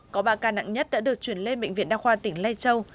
có ba ca nặng nhất đã được chuyển lên bệnh viện đa khoa tỉnh lai châu